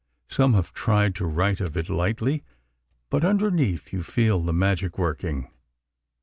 Some have tried to write of it lightly, but underneath you feel the magic working.